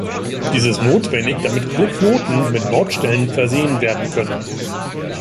Dies ist notwendig, damit alle Knoten mit Mautstellen versehen werden können.